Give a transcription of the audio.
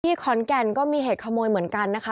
ขอนแก่นก็มีเหตุขโมยเหมือนกันนะคะ